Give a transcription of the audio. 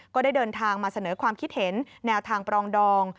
ก็ได้เดินทางมาเสนอความคิดเห็นแนวทางปรองดอง